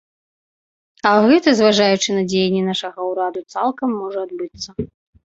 А гэта, зважаючы на дзеянні нашага ўраду, цалкам можа адбыцца.